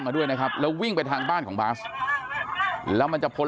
มาด้วยนะครับแล้ววิ่งไปทางบ้านของบาสแล้วมันจะพ้น